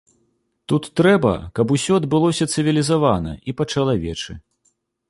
Тут трэба, каб усё адбылося цывілізавана і па-чалавечы.